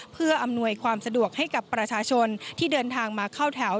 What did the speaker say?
เพื่ออำนวยความสะดวกให้กับประชาชนที่เดินทางมาเข้าแถว